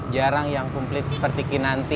jarang yang komplit seperti kinanti